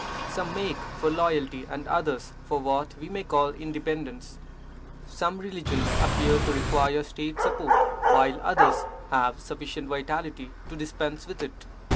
Some make for loyalty and others for what we may call independence. Some religions appear to require State support, while others have sufficient vitality to dispense with it.